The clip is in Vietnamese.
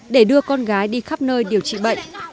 để đưa con gái đi khắp nơi điều trị bệnh